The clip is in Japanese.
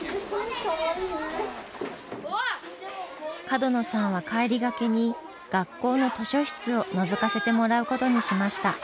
角野さんは帰りがけに学校の図書室をのぞかせてもらうことにしました。